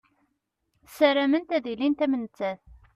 Ssarament ad ilint am nettat.